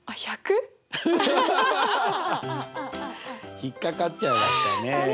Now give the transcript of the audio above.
引っ掛かっちゃいましたねえ。